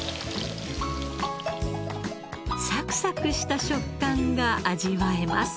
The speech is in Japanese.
サクサクした食感が味わえます。